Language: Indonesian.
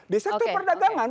di sektor perdagangan